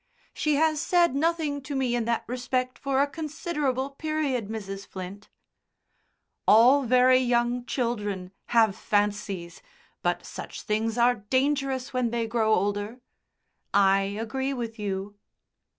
"She has said nothing to me in that respect for a considerable period, Mrs. Flint." "All very young children have fancies, but such things are dangerous when they grow older." "I agree with you."